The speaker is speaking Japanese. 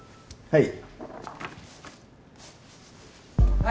はい。